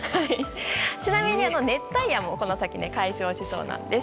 ちなみに熱帯夜もこの先、解消しそうです。